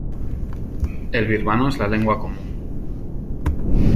El birmano es la lengua común.